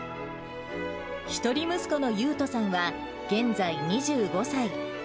１人息子の悠斗さんは、現在２５歳。